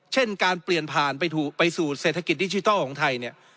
เช่นการเปลี่ยนผ่านไปสู่เศรษฐกิจดิจิทัลของไทยเนี่ย